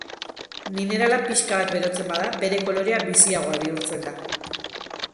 Minerala pixka bat berotzen bada, bere kolorea biziagoa bihurtzen da.